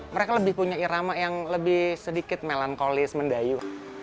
mereka lebih punya irama yang lebih sedikit melankolis mendayu